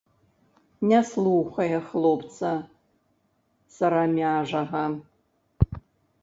Не слухае хлопца сарамяжага.